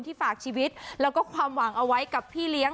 ฝากชีวิตแล้วก็ความหวังเอาไว้กับพี่เลี้ยง